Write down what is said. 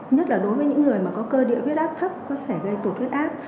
nhất là đối với những người có cơ địa huyết ác thấp có thể gây tụt huyết ác